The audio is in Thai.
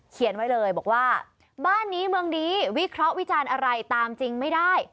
เขียนไว้เลยบอกว่าบ้านนี้เมืองดีวิเคราะห์วิจารณ์อะไรตามจริงไม่ได้